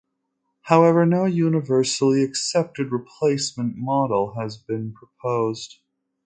However, no universally accepted replacement model has been proposed.